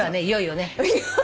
いよいよね。